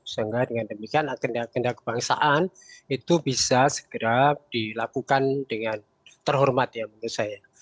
sehingga dengan demikian agenda agenda kebangsaan itu bisa segera dilakukan dengan terhormat ya menurut saya